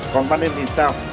còn văn em thì sao